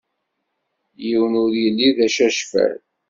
Yiwen ur yelli d acacfal.